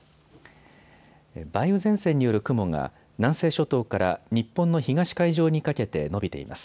梅雨前線による雲が南西諸島から日本の東海上にかけて延びています。